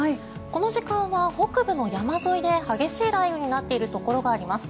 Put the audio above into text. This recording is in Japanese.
この時間は北部の山沿いで激しい雷雨になっているところがあります。